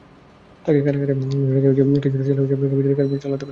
তবে তাঁকে কারাগারে শিশু-কিশোর সেলে রেখে বিচার কার্যক্রম চলতে পারে আদালতের নির্দেশনায়।